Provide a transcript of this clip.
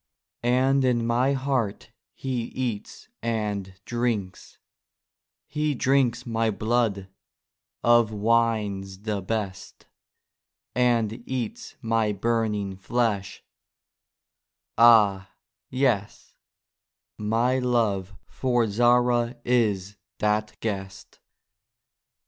And in my heart he eats and drinks; He drinks my blood, of wines the best, And eats my burning flesh—ah, yes, My love for Zahra is that Guest.